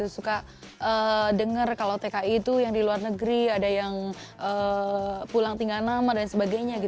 suka dengar kalau tki itu yang di luar negeri ada yang pulang tinggal nama dan sebagainya